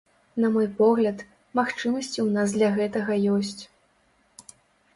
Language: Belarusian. На мой погляд, магчымасці ў нас для гэтага ёсць.